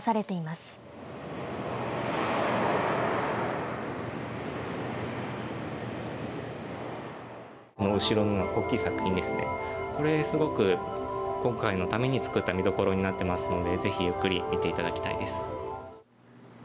すごく今回のために作った見どころになっていますのでぜひゆっくり見ていただきたいです。